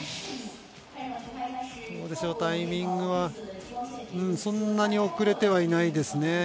タイミングはそんなに遅れてはいないですね。